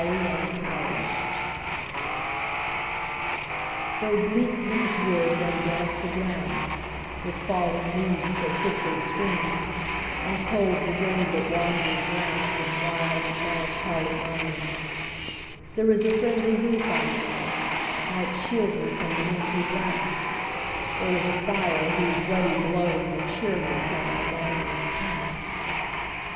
THE CONSOLATION. Though bleak these woods, and damp the ground With fallen leaves so thickly strown, And cold the wind that wanders round With wild and melancholy moan; There IS a friendly roof, I know, Might shield me from the wintry blast; There is a fire, whose ruddy glow Will cheer me for my wanderings past.